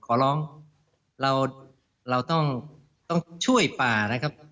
ขอร้องเราต้องช่วยป่านะครับ